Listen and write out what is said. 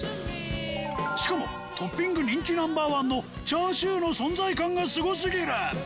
しかもトッピング人気 Ｎｏ．１ のチャーシューの存在感がすごすぎる！